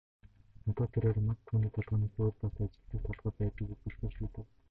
Одоо тэрээр Мад түүний толгойноос өөр бас ажилладаг толгой байдгийг үзүүлэхээр шийдэв.